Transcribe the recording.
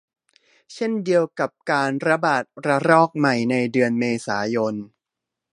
เช่นเดียวกับการระบาดระลอกใหม่ในเดือนเมษายน